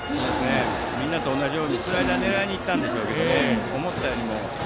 みんなと同じようにスライダー狙いにいったんでしょうけどね。